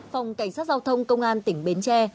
phòng cảnh sát giao thông công an tỉnh bến tre